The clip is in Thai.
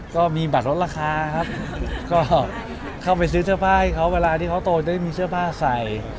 ก็มีบัตรลดราคาครับก็เข้าไปซื้อเสื้อผ้าให้เขาเวลาที่เขาโตได้มีเสื้อผ้าใส่